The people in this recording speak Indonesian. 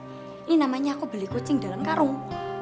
ini namanya aku beli kucing dalam karung